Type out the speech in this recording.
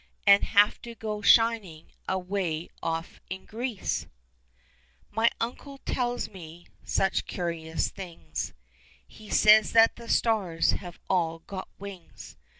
And have to go shining away off in Greece ? My uncle he tells me such curious things : He says that the stars have all got wings.